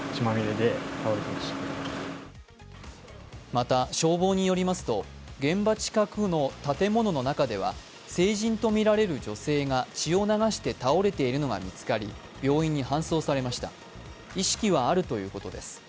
また、消防によりますと現場近くの建物の中では成人とみられる女性が血を流して倒れているのが見つかり、病院に搬送されました意識はあるということです。